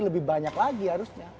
lebih banyak lagi harusnya